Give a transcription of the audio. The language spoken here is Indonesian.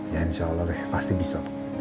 ya insya allah pasti bisa